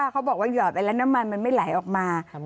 เขาบอกว่าหยอดไปแล้วน้ำมันมันไม่ไหลออกมา